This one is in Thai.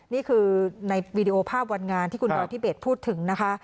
นี่คือในวีดีโอภาพวันงานที่คุณบอธิเบสพูดถึงนะคะ